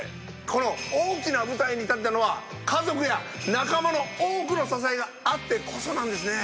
この大きな舞台に立てたのは家族や仲間の多くの支えがあってこそなんですね。